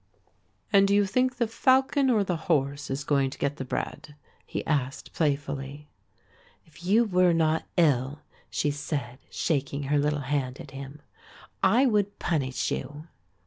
"And do you think the falcon or the horse is going to get the bread?" he asked playfully. "If you were not ill," she said, shaking her little hand at him, "I would punish you."